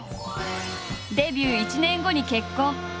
デビュー１年後に結婚。